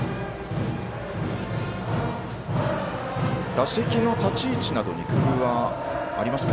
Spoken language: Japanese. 打席の立ち位置などに工夫はありますか。